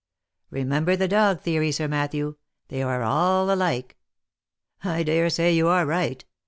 Remember the dog theory, Sir Matthew, thev are all alike." " I dare say you are right.